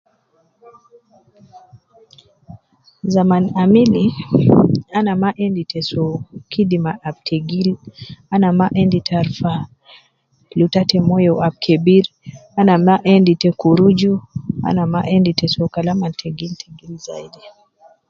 Zaman amili ana ma endi te soo kidima ab tegil, ana ma endi te arufa litre te moyo ab kebir ana ma endi te kuruju ana ma endi te Kalam al tegil tegil zaidi